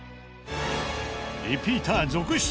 リピーター続出。